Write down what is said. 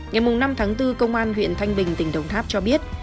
ngày năm tháng bốn công an huyện thanh bình tỉnh đồng tháp cho biết